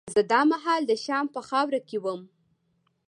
زه دا مهال د شام په خاوره کې وم.